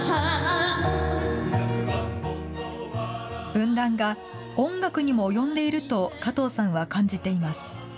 分断が音楽にも及んでいると加藤さんは感じています。